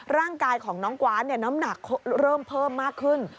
ร่างกายของน้องกวานน้ำหนักเริ่มเพิ่มมากขึ้น